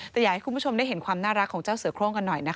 แต่อยากให้คุณผู้ชมได้เห็นความน่ารักของเจ้าเสือโครงกันหน่อยนะคะ